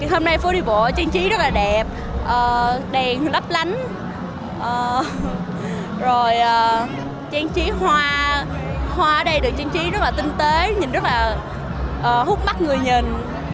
hôm nay phố đi bộ trang trí rất là đẹp đèn lấp lánh rồi trang trí hoa ở đây được trang trí rất là tinh tế nhìn rất là hút mắt người nhìn